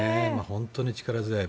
本当に力強い。